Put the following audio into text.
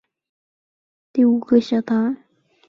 目前的凡尔赛宫小堂是凡尔赛宫历史上的第五个小堂。